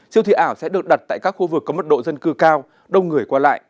siêu thị ảo sẽ được đặt tại các khu vực có mật độ dân cấp